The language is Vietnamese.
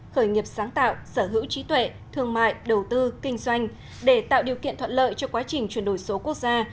khởi nghiệp sáng tạo sở hữu trí tuệ thương mại đầu tư kinh doanh để tạo điều kiện thuận lợi cho quá trình chuyển đổi số quốc gia